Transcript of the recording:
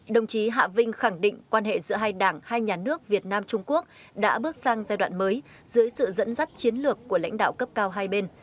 đồng chí hạ vinh khẳng định quan hệ giữa hai đảng hai nhà nước việt nam trung quốc đã bước sang giai đoạn mới dưới sự dẫn dắt chiến lược của lãnh đạo cấp cao hai bên